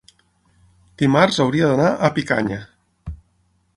Dimarts hauria d'anar a Picanya.